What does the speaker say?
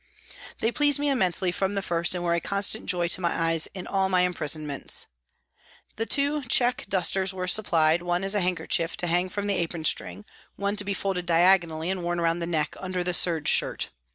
They pleased me immensely from the first and were a constant joy to my eyes in all my imprisonments. Two check dusters were supplied, one as a handkerchief to hang from the apron string, one to be folded diagonally and worn round the neck, under the serge shirt.